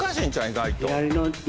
意外と。